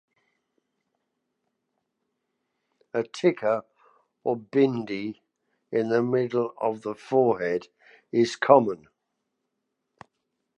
A "tika" or "bindi" in the middle of forehead is common.